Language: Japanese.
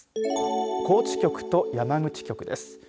高知局と山口局です。